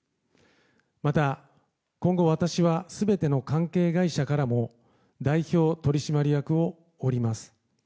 また、今後私は全ての関係会社からも代表取締役を降ります。